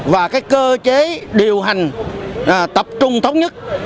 và cái cơ chế điều hành tập trung thống nhất